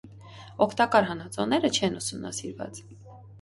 Օգտակար հանածոները չէն ուսումնասիրուած։